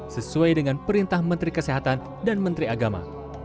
sesuai dengan perintah menteri kesehatan dan menteri agama